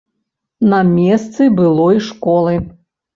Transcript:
На месцы былой школы.